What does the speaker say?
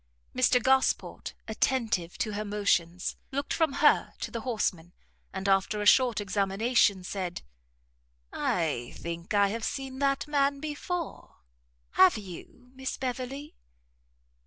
Mr Gosport, attentive to her motions, looked from her to the horseman, and after a short examination, said, "I think I have seen that man before; have you, Miss Beverley?"